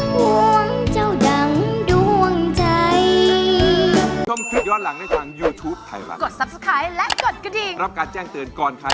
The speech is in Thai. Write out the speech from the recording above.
ห่วงเจ้าดังดวงใจ